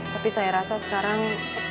tapi saya rasa sekarang